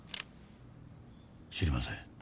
知りません。